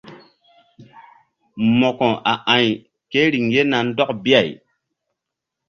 Mo̧ko a a̧y ke riŋ ye na ndɔk bi-ay.